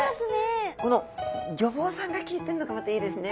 このギョボウさんがきいてんのがまたいいですね。